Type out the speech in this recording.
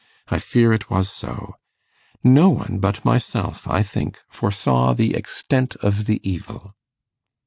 I fear it was so. No one but myself, I think, foresaw the extent of the evil.